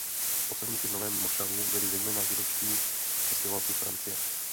Osadníky v novém mošavu byli zejména židovští přistěhovalci z Francie.